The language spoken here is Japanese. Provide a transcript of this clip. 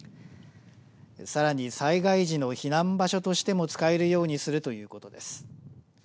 さらに災害時の避難場所としても使えるようにするということです。